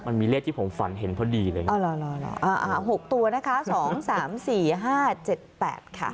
มันมีเลขที่ผมฝันเห็นพอดีเลยอ๋อหกตัวนะคะสองสามสี่ห้าเจ็ดแปดค่ะ